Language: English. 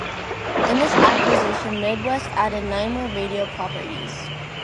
In this acquisition Midwest added nine more radio properties.